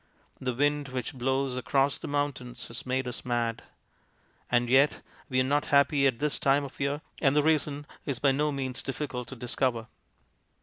The wind which blows across the mountains has made us mad. And yet we are not happy at this time of year, and the reason is by no means difficult to discover.